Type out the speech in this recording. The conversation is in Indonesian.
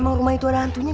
emang rumah itu ada hantunya